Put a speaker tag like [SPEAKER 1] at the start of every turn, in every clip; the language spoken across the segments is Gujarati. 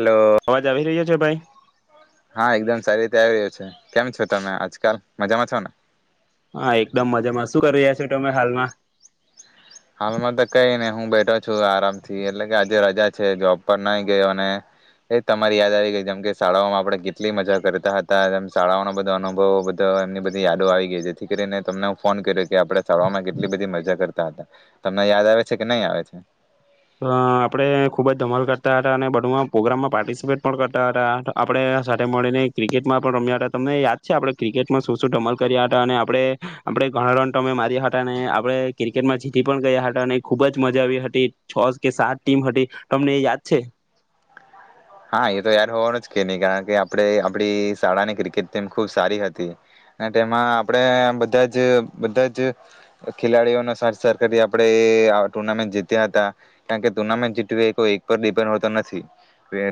[SPEAKER 1] હલો,
[SPEAKER 2] અવાજ આવી રહ્યો છે ભાઈ
[SPEAKER 1] હા એકદમ સારી આવી રહ્યો છે. કેમ છો તમે આજકાલ? મજામાં છોને?
[SPEAKER 2] હા એકદમ મજામાં શું કરી રહ્યા છો તમે હાલમાં?
[SPEAKER 1] હાલમાં તો કઈ નને હું બેઠો છું આરામ થી એટલે કે આજે રજા છે જોબ પર નાહી ગયો અને, એ તમારી યાદ આવી ગઈ જેમ કે શાળાઓમાં આપડણે કેટલી મજા કરતા હતા જેમ શાળાઓનો બધો અનુભવો બધો એમની બધી યાદો આવી ગઈ જેથી કરીને તમને હું ફોન કર્યો કે આપણે શાળાઓમાં કેટલી બધી મજા કરતા હતા. તમને યાદ આવે છે કે નહી આવે છે?
[SPEAKER 2] આપડણે ખુબ જ ધમલ કરતા હતા અને બધમાં પ્રોગ્રામમાં પાર્ટિસિપેટ પણ કરતા હતા આપડ સાથે મળીને ક્રિકેટમાં પણ રમ્યા હતા તમને યાદ છે આપણે ક્રિકેટમાં શું શું ધમલ કર્યા હતા અને આપણે, આપણે ઘણા રન તમે માર્યા હતા અનેને આપણે ક્રિકેટમાં જીતી પણ ગયા હતા અને ખૂબ જ મજા આવી હતી. છ કે સાત ટીમ હતી, તમને યાદ છે?
[SPEAKER 1] હા એ તો યાર હોવાનું જ કે નહી કારણ કે આપણે આપડી શાળાની ક્રિકેટ ખુબ સારી હતી, અને તેમાં આપણે બધા જ બધા જ ખેલાડીઓનો સરથસ કરી આપણે ટુર્નામેન્ટ જીત્યા હતા, કારણકે ટુર્નામેન્ટ જીતવી એ કોઈ એક પર ડિપેન્ડ હોતો નથી.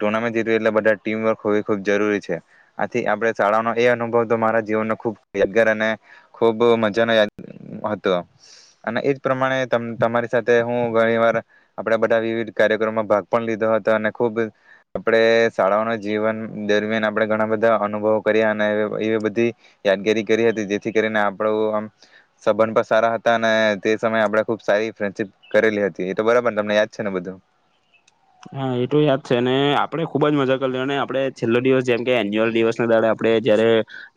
[SPEAKER 1] ટુર્નામેન્ટ જીતવી એટલે બધા ટીમવર્ક હોવી ખુબ જરૂરી છે, આથી આપણે શાળાનો એ અનુભવ તો મારા જીવનનો ખૂબ યાદગાર અને, ખૂબ મજાનો યા હતો, અને એજ પ્રમાણે તમારી સાથે હું ઘણી વાર આપડા બધા વિવિધ કાર્યક્રમમાં ભાગ પણ લીધો હતો અને ખૂબ આપણે શાળાઓના જીવન દરમિયાન આપણે ઘણા બધા અનુભવો કર્યા અને એવી બધી, યાદગીરી કરી હતી જેથી કરીને આપણો આમ સબંધ પણ, સારા હતા અને તે સમયે આપણે ખુબ સારી ફ્રેન્ડશીપ કરેલી હતી એ તો બરાબરને તમને યાદ છે ને બધું?
[SPEAKER 2] હા એ તો યાદ છે ને આપડણે ખુબ જ મજા કરી લ અને આપડણે છેલ્લો દિવસ જેમ કે એન્યુઅલ દિવસ ના દે આપણે જયારે,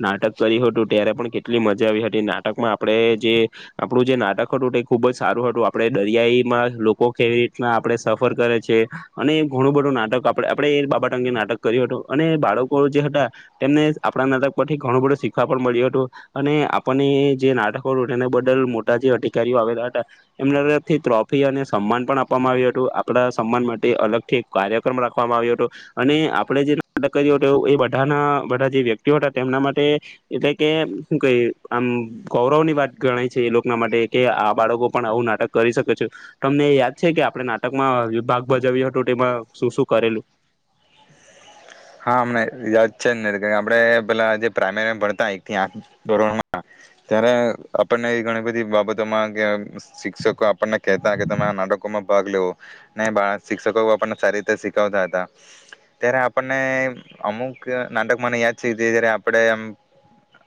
[SPEAKER 2] નાટક કર્યું હતું ત્યારે પણ કેટલી મજા આવી હતી નાટકમાં આપણે જે આપણું જે, નાટક હતું તે ખુબ જ સારું હતું આપડણે દરિયાઈમાં લોકો કેવી રીતના આપણે સફર કરે છે. અને ઘણું બધું નાટક આપણે આપણે એ બાબા ટંગે નાટક કર્યું હતું અને બાળકો જે હતા, તેમને આપણા નાટક પરથી ઘણું બધું શીખવા પણ મળ્યું હતું, અને આપણને જે નાટકો હત એના બદલ મોટા જે અધિકારીઓ આવેલા હતા, એમના તરફથી ટ્રોફી અને સન્માન પણ આપવામાં આવ્યું હતું આપડા સન્માન માટે અલગથી એક કાર્યક્રમ રાખવામાં આવ્યો હતો, અને આપણે જે નાટક કર્યું હતું એ બધાના બધા જે વ્યક્તિઓ હતા તેમના માટે, એટલે કે શું કઈ આમ ગૌરવ ની વાત ગણાય છે એ લોકોના માટે કે આ બાળકો પણ આવું નાટક કરી શકે છે, તમને યાદ છે કે આપણે નાટકમાં વિભાગ બજાવ હતું તેમાં શું શું કરેલું?
[SPEAKER 1] હા હમને યાદ છે આપે પેલા જે પ્રાઈમેરી ભણતા એકથી આઠ ધોરણમાં, ત્યારે આપણને ઘણી બધી બાબતોમાં કે શિક્ષકો આપણને કતા કે તમે નાટકોમાં ભાગ લેવો, ને શિક્ષકો આપને સારી રીતે શીખતા હતા, ત્યારે અમુક નાટક મને યાદ છે જ આપણે એમ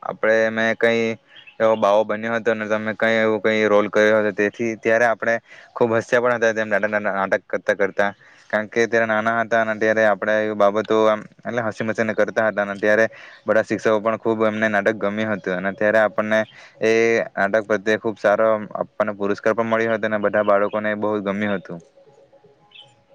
[SPEAKER 1] આપણે મેં કઈ, એવો બાવો બન્યો હતો અનેને તમે કઈ એવું કઈ રોલ કર્યો હતો તેથી ત્યારે આપણે, ખુબ હસ્યા પણ હતા નાટક કરતા કરતા, કારણ કે ત્યારે નાના હતા અને ત્યારે આપણે એ બાબત તો એટલે હસી મસીને કરતા હતા અને ત્યારે, બધા શિક્ષકો પણ ખૂબ એમને નાટક ગમ્યું હતું અને ત્યારે આપણને, એ નાટક પ્રત્યે ખુબ સારો આપણને પુરસ્કાર પણ મળ્યો હતો અને બધા બાળકોને બહુ ગમ્યું હતું.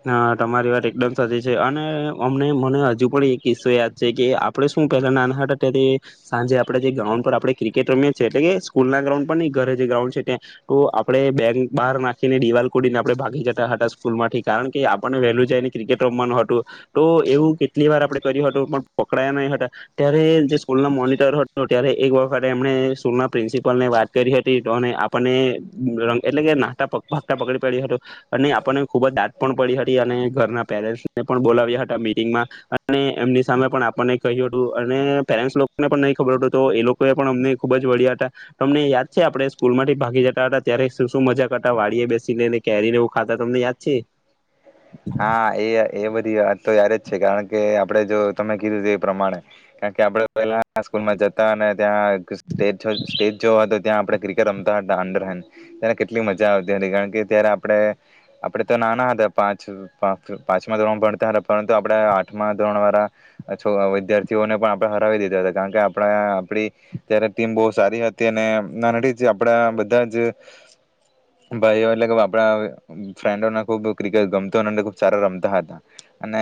[SPEAKER 2] હા તમારી વાત એકદમ સચી છે અને અમને મને હજુ પણ એક કિસ્સો યાદ છે કે આપડે શું પેલા નાના હાટથી સાંજે આપડે જે ગ્રાઉન્ડ પર આપડણે ક્રિકેટ રમી છીએ એટલે કે સ્કૂલ ના ગ્રાન્ડ પર ન ઘરે જે ગ્રાઉન્ડ છે ત્યાં તો આપડે બેક બહાર નાખીને દિવાલ કડીને આપણે ભાગી જતા હતા સ્કૂલ માંથી. કારણ કે આપણને વહેલું જાયને ક્રિકેટ રમવાનું હતું, તો એવું કેટલી વાર આપણે કર્યું હતું પણ પકડાયા નહી હતા, ત્યારે જે સ્કૂલ ના મોનિટર હતો ત્યારે એક વખત એમણે સ્કૂલના પ્રિન્સિપલને વાત કરી હતી આપણને ર એટલે કે નાતાતા પકડી પડ્યો હતું, અને આપણને ખૂબ જ દા પડી હતી અને ઘરના પેરેન્ટને પણ બોલાવ્યા હતા મીટંગમાં, અને એમની સામે પણ આપણને કહ્યું હતું અને પેરેન્ટ્સ લોકોને પણ નહી ખબર હતું તો એ લોકો એ પણ અમને ખુબ જ વળ્યા હતા તમને યાદ છે આપણે સ્કૂલ માંથી ભાગી જતા હતા ત્યારે શું મજા કરતા વાડી બેસી લઈને કેરી લેવું ખાતા તમને યાદ છે?
[SPEAKER 1] હા એ એ બધી વાત તો યારે જ છે કારણ કે આપણે જો તમે કીધું છે એ પ્રમાણે, કારણ કે આપણે પેલા સ્કૂલમાં જતા અને ત્યાં સ્ટ સ્ટેટ જોવા હતો ત્યાંણે ક્રિકેટ રમતા હતા અંડર હડ, ત કેટલી મજા આવતી હતી કારણ કે ત્યારે આપણે, આપડણે તો નાના હતા પાંચ પાંચમા ધોરણ ભણતા હતા પરંતુ આપણે આઠમા ધોરણ વાળા, વિદ્યાર્થીઓને પણ આપણે હરાવી દીધા હતા કારણ કે આપણા આપ ત્યારે ટીમ બહ સારી હતી અને આપડા બધા જ, ભાઈઓ એટલે કે આપડા ફ્રેન્ડોને ખુબ ક્રિકેટ ગમતી. ખુબ સારા રમતા હતા અને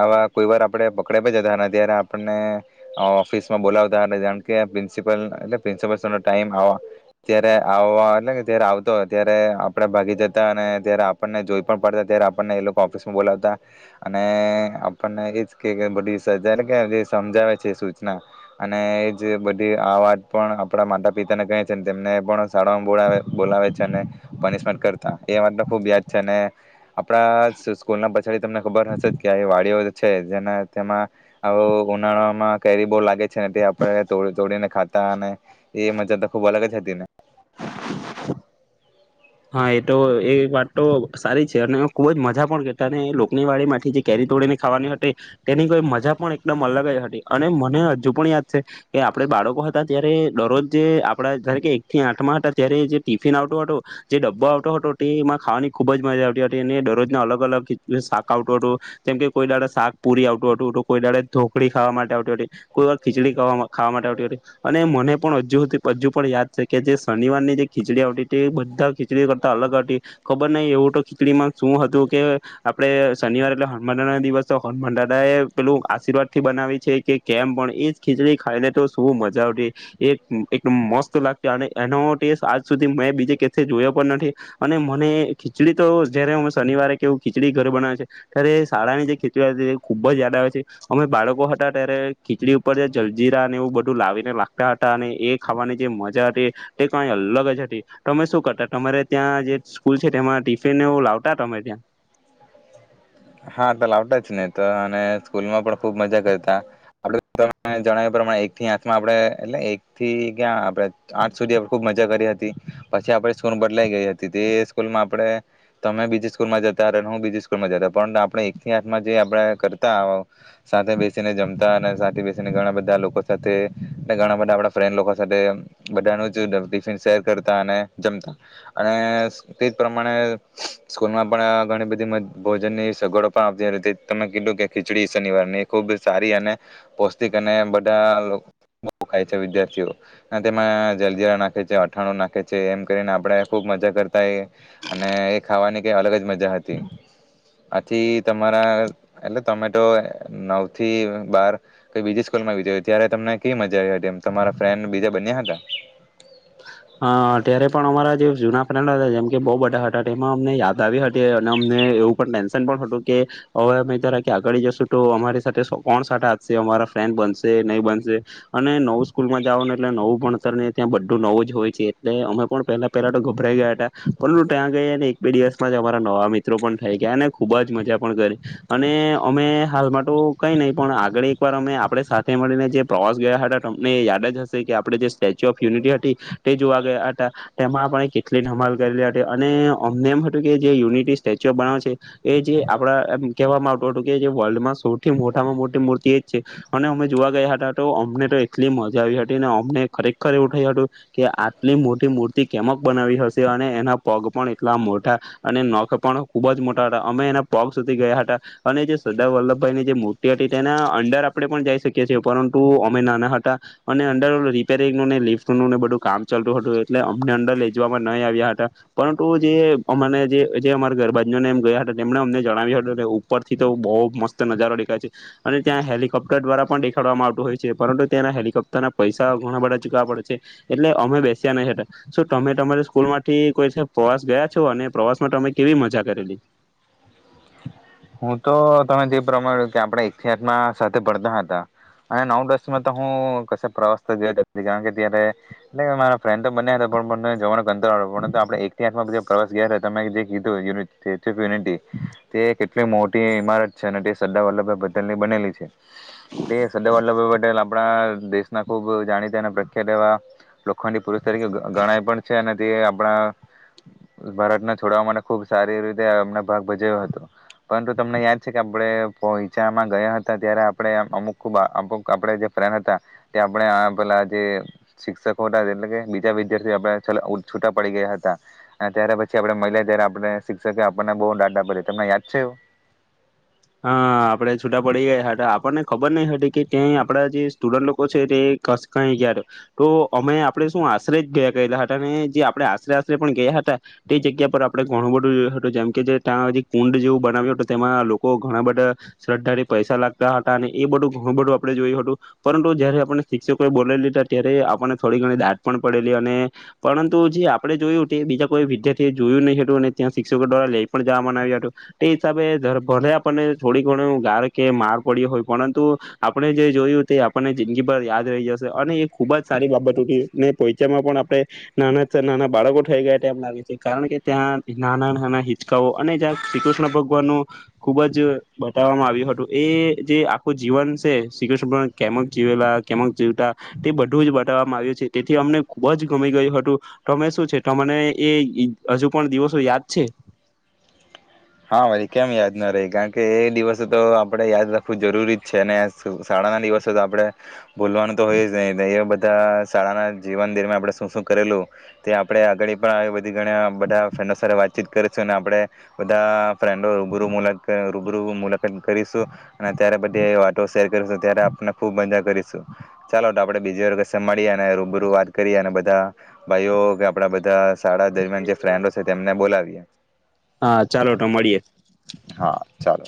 [SPEAKER 1] આવા કોઈ વાર આપે પકડ્યા પણ જતા ત્યારે આપણને ઓફિસમાં બોલાવતા હતા જાણ કે પ્રિન્સિપલ એલે પ્રિન્સપલ ટાઈમ આવ ત્યારે આવવા એટલે જ્યારે આવતો ત્યારે આપણેે ભાગી જતા અને ત્યારે આપણને જોઈ પણ પડતા ત્યારે ઓફિસ બોલાવતા, અને આપણને એજ કે બધી સા સમજાવે છે સૂચના, અને એજ બધી આ વાત પણ આપણા માતા પિતાને કહે છે તેમને પણ શાળામાં બ બોલાવે છે, પનિશમેન્ટ કરતા એ વાતને ખુબ યાદ છે. આપડા સ્કૂલ ના પછડી તમને ખબર હશે કે આવી વાડીઓ છે જેને તેમાં, ઉનાળામાં કેરી બો લાગે છે ને તે આપણે તોડીને ખાતા અને એ મજા તો ખુબ અલગ જ હતી ને.
[SPEAKER 2] હા એ તો એ વાત તો સારી છે અને ખુબ જ મજા પણ કેતા અને લોકની વાડીમાંથી જે કેરી તોડીને ખાવાની હતી તેની કોઈ મજા પણ એકદમ અલગ જ હતી અને મને હજુ પણ યાદ છે કે આપડ બાળકો હતા ત્યારે દરરોજ જે આપડા જ કે એક થી આઠમાં હતા ત્યારે જે ટિફિન આવતો હતો. જે ડબ્બો આવતો હતો તે એમાં ખાવાની ખૂબ જ મજા આવતી હતી અને દરરોજના અલગ અલગ શાક આવતું હતું જેમ કે કોઈ ડાડે શાક પુરી આવતું હતું તો કોઈ ડાડે ઢોકળી ખાવા માટે આવતી હો હતી, કોઈ વાર ખીચડી ખાવા માટે આવતી હતી અને મને પણ હજુ હજુ પણ યાદ છે કે જે શનિવારની જે ખીચડી આવતી હતી એ બધા ખીડી કરતા અલગ હતી ખબર નહ એવું તો ખીચડી માં શું હતું કે આપડે શનિવાર એટલે હનુમાના દિવસ હતો હનુમાન દાદા એ પેલું આશીર્વાદ થી બનાવી છે કે કેમ પણ એજ ખીચડી ખાઈ લ તો શ મજા આવતી એ મસ્ત લાગતી અને એનો ટેસ્ટ આજ સુધી મે બીજ જોયો પણ નથી, અને મને ખીચડી તો જયારે અમે શનિવારે કેવું ખીચડી ઘર બનાવે છે, ત્યારે શાળાની જે ખીચડી હતી તે ખુબ જ યાદ આવે છે, અમે બાળકો હતા ત્યારે ખીચડી ઉપર જે જલજીરા અને એવું બધું લાવીને લાગતા હતા અને એ ખાવાની જે મજા હતી, તે કઈ અલગ જ હતી તો અમે શું કરતા તમારે ત્યાં જે સ્કૂલ છે તેમાં ટિફિન એવું લાવતા તમે ત્યાં?
[SPEAKER 1] હા તો લાવતા જ ને તો અને સ્કૂલ માં પણ ખુબ મજા કરતા, આપ ત જણાવ્યા પ્રમાણે એક થી આઠમાં આપણે એટલે એક થી ક્યા આપ આઠ સુધી ખુબ મજા કરી હતી, પછી આપ સ્કૂલ બદલાઈ ગઈ હતી તે સ્કૂલમાં આપણે, તમે બીજી સ્કૂલ માં જતા હું બીજી સ્કૂલમાં જતા. પણ આપણે એકથી હાથમાં જે આપણે કરતા સાથે બેસીને જમતા અને સાથે બેસીને ઘણા બધા લોકો સાથે ઘણા બધા આપડા ફ્રેન્ડ લોકો સાથે બધાનું જ ટિફિન શેર કરતા અને જમતા અને સ તેજ પ્રમાણે સ્કૂલમાં પણ ઘણી બધી મ ની સગવડો પણ આવતી તમે કીધું કે ખીચડી શનિવારની ખુબ સારી અને પૌષ્ટિક અને બધા બઉ ખાય છે વિદ્યાર્થીઓ અને તેમાં જલજીરા નાખે છે અથાણું નાખે છે એમ કરીને આપણે ખુબ મજા કરતા કરતા હોઈએ અને એ ખાવાની કંઈ અલગ જ મજા જા તી આથી તમારા એટલે તમે તો નવ થી બાર કઈ બીજી સ્કૂલમાં [unintelligible] ત્યારે તમને કેવી મજા આવી હતી એમ તમારા ફ્રેન્ડ બીજા બન્યા હતા.
[SPEAKER 2] અ ત્યારે પણ અમારા જે જૂના ફ્રેન્ડ હતા જેમ કે બઉ બઢા હોય છે, એટલે અમે પણ પેલા પેલા તો ગભરાઈ ગયા તા પરંટુ ત્યાં ગઈને એક બે દિવસમાં જ અમારા નવા મિત્રો પણ થઈ ગયા અને ખુબ જ મજા પણ કરી અને અમે હાલમાં તો કઈ નઈ પણ આગળ એક વાર અમે આપણે સાથે મળીને જે પ્રવાસ ગયા હટા તમને યાદ જ હશે કે આપણે જે સ્ટેચ્યુ ઓફ યુનિટી હતી ટે જોવા ગયા હટા, તેમાં પણ કેટલી ઢમાલ કરેલી હતી અને અમને એમ હટુ કે જે યુનિટી સ્ટેચ્યુ ઓફ બનાવે છે એ જે આપણા એમ કહેવામાં આવટુ હટુ કે જે વર્લ્ડમાં સૌથી મોટામાં મોટી મૂર્તિ એજ છે અને અમે જોવા ગયા હટા ટો અમને તો એટલી મજા આવી હટી અને અમને ખરેખર એવુ ઠયુ હટુ કે આટલી મોટી મૂર્તિ કેમક બનાવી હશે અને એના પગ પણ એટલા મોટા અને નખ પણ ખૂબ જ મોટા હટા અમે એના પગ સુધી ગયા હટા અને જે સરદાર વલ્લભભાઈની જે મૂર્ટિ હટી ટેના અંડર આપણેે પણ જઈ શકીએ છીએ પરંટુ અમે નાના હટા અને અંડર રિપેરિંગનુંને લિફ્ટનું ને બધું કામ ચાલતું હટુ એટલે અમને અંડર લઈ જવામાં નઈ આવ્યા હતા, પરંતુ જે અમને જે અમારા ગરબાજીઓને એમ ગયા હતા એને અમને જણાવ્યું હતું ઉપરથી તો બહુ મસ્ત નજારો દેખાય છે અને ત્યાં હેલિકોપ્ટર દ્વારા પણ દેખાડવામાં આવતું હોય છે પરંતુ ત્યાંના હેલિકોપ્ટરના પૈસા ઘણા બધા ચૂકાવા પડે છે. એટલે અમે બેસ્યા નઈ હટા શું તમે તમારી સ્કૂલમાંથી કોઈ [unintelligible] પવાસ ગયા છો અને પ્રવાસ માં તમે કેવી મજા કરેલી?
[SPEAKER 1] હું તો તમે જે પ્રમાણે કે આપણે એકથી આથમાં સાથે ભડતા હતા અને નવ દસમાં તો હું કસે પ્રવાસ તો ગયો નથી કારણ કે ત્યારે એટલે અમારા ફ્રેન્ડ તો બન્યા હતા પણ મને જવાનો કંતાળો બો આપણે એક થી આથમાં જે પ્રવાસ ગયા હતા તમે જે કીધું એ [unintelligible] ઓફ યુનિટી તે કેટ તે મોટી ઇમારત છે અને ટે સરદાર વલ્લભભાઈ પટેલની બનેલી છે. તે સદાર વલ્લભભાઈ પટેલ આપડા દેશના ખૂબ જાણીતા ને પ્રખ્યાત એવા લોખંડી પુરુષ તરીકે ગ ગણાય પણ છે અને તે આપણા ભારતને છોડવા માટે ખુબ સારી રીતે એમને ભાગ ભજવ્યો હતો. પરંતુ તમને યાદ છે કે આપડે પોઈચામાં ગયા હતા, ત્યારે આપડે અમુક ખૂબ અમુક આપણેે જે ફ્રેન્ડ હતા તે આપણે પેલા જે શિક્ષકો હતા એટલે કે બીજા વિદ્યાર્થી આપડે છેલ્લે છૂટા પડી ગયા હતા અને ત્યારે પછી આપડે મલ્યા ત્યારે આપડને શિક્ષકે આપણને બહુ ડાંટ આપેલી તમને યાદ છે એવુ
[SPEAKER 2] હઅ અ આપડે છૂટા પડી ગયા હતા. આપણને ખબર નહીં હતી કે ત્યાં એ આપડા જે સ્ટુડન્ટ લોકો છે તે કસ કઈ ગયા તા તો અમે આપણે શું આશરે જ [unintelligible] ગેયેલા હતા અને જે આપડે આશરે આશરે પણ ગેયા હતા તે જગ્યા પર આપડે ઘણું બધું જોયું હતું જેમ કે જે ત્યાં જે કુંડ જેવું બનાવ્યું હતું તેમાં લોક કો ઘણા બધા શ્રદ્ધાથી પૈસા લાખતા હતા અને એ બધું ઘણું બઢુ આપડે જોયું હતું, પરંટુ જયારે આપણને શિક્ષકોએ બોલાઇ લીધા ત્યારે આપણને થોડી ઘણી દાંટ પણ પડેલી અને પરંતુ જે આપણે જોયું તે બીજા કોઈ વિદ્યાર્થીએ જોયું નહી હતું અને ત્યાં શિક્ષકો દ્વારા લઈ પણ જવામાં નઈ આવ્યું હતું તે હિસાબે ભલે આપણને થોડી ઘણું દાળ કે માર પડ્યો હોય, પરંતુ આપડે જે જોયું તે આપણને જિંદગીભર યાદ રહી જશે અને એ ખૂબ જ સારી બાબત ઉઠી ને પોઈચામાં પણ આપણે નાના ચ નાના બાળકો થઈ ગયા હોય તેમ લાગે છે કારણ કે ત્યાં નાના નાના હિચકાઓ અને જ્યાં શ્રી કૃષ્ણ ભગવાનનું ખૂબ જ બતાવવામાં આવ્યું હટુ. એ જે આખું જીવન છે શ્રી કૃષ્ણ કેમક જીવેલા કેમક જીવતા તે બધું જ બતાવવામાં આવ્યું છે, તેથી અમને ખૂબ જ ગમી ગયું હતું. તમે શું છે તમને એ હજુ પણ દિવસો યાદ છે?
[SPEAKER 1] હા ભાઈ કેમ યાદ ના રેય, કાણ કે એ દિવસો તો આપણે યાદ રાખવું જરૂરી જ છે અને શાળાના દિવસો તો આપડે ભૂલવાનું તો હોય જ નહી એ બધા શાળાના જીવન દરમિયાન આપણે શું શું કરેલું તે આપડે આગળ એ પણ આવી બધા ઘણા બધા ફ્રેન્ડો સાથે વાતચીત કરીશું ને આપડે બધા ફ્રેન્ડો રૂબરૂ મુલાકા રૂબરૂ મુલાકાત કરીશું અને ત્યારે બધી આવી વાતો શેર કરીશું ત્યારે આપને ખૂબ મજા કરીશું, ચાલો તો આપણે બીજી વાર કસે મળીએ અને રૂબરૂ વાત કરીએ અને બધા ભાઈઓ કે આપડા બધા શાળા દરમિયાન જે ફ્રેન્ડો છે તેમને બોલાવીએ.
[SPEAKER 2] હા, ચાલો તો મળીએે.
[SPEAKER 1] હા ચાલો